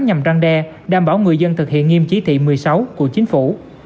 giải pháp nhằm răn đe đảm bảo người dân thực hiện nghiêm chí thị một mươi sáu của chính phủ